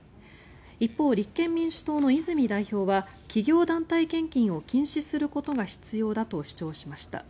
一方、立憲民主党の泉代表は企業・団体献金を禁止することが必要だと主張しました。